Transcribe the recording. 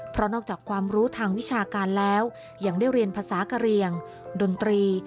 เพราะนอกจากความรู้ทางวิชาการแล้วยังได้เรียนภาษากะเรียงดนตรี